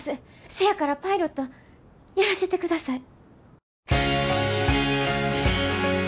せやからパイロットやらせてください。